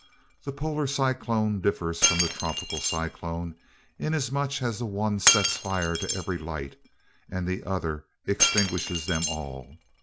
The polar cyclone differs from the tropical cyclone, inasmuch as the one sets fire to every light, and the other extinguishes them all.